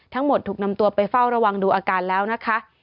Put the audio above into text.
ถูกนำตัวไปเฝ้าระวังดูอาการแล้วนะคะ